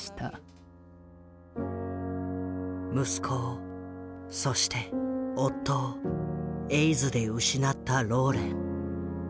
息子をそして夫をエイズで失ったローレン。